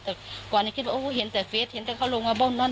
แต่ก่อนคิดว่าโอ้เห็นแต่เฟสเห็นแต่เขาลงมาเบิ้ลนั้น